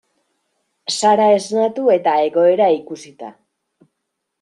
Sara esnatu eta egoera ikusita.